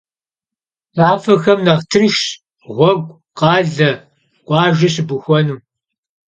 Tafexem nexh tınşşş ğuegu, khale, khuajje şıbuxuenu.